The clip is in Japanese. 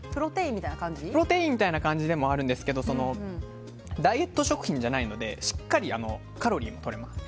プロテインみたいな感じですけどダイエット食品じゃないのでしっかりカロリーもとれます。